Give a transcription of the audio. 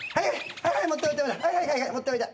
はいはい持っておいで。